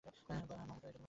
আর মমতা এটা তোমার চিঠি।